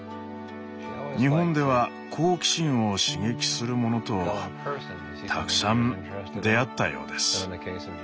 日本では好奇心を刺激するものとたくさん出会ったようです。